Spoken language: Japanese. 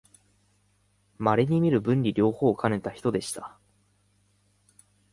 まれにみる文理両方をかねた人でした